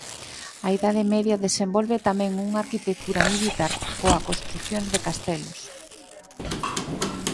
A idade media desenvolve tamén unha arquitectura militar coa construcións de castelos.